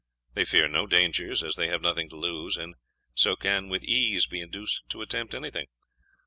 They fear no dangers, as they have nothing to lose, and so can with ease be induced to attempt anything.